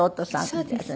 そうです。